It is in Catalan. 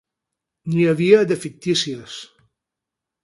N'hi havia de fictícies.